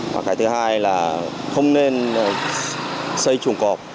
và cái thứ hai là không nên xây chuồng cọp